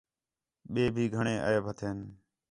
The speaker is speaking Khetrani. ٻئے بھی گھݨیں عیب ہتھین